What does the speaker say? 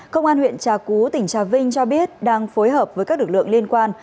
công an huyện trà cú tỉnh trà vinh cho biết đang phối hợp với các lực lượng liên quan